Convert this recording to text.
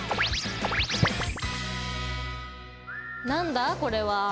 何だこれは？